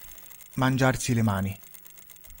Mangiarsi le mani.